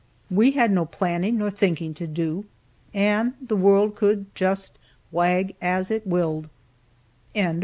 We had no planning nor thinking to do, and the world could just wag as it willed.